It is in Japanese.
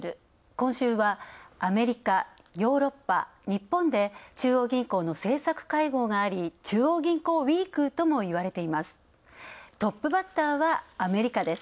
今週は、アメリカ、ヨーロッパ、日本で中央銀行の政策会合があり、中央銀行ウイークとも言われています。